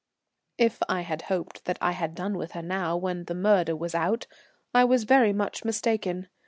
If I had hoped that I had done with her now, when the murder was out, I was very much mistaken.